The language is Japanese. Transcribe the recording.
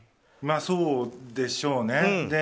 そうでしょうね。